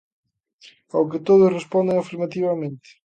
Ao que todos responden afirmativamente.